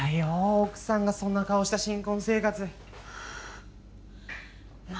奥さんがそんな顔した新婚生活ま